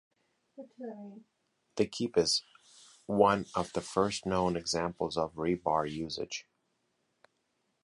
The keep is one of the first known examples of rebar usage.